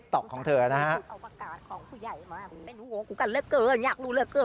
การต้องการต้องเริ่มจากตัวเอง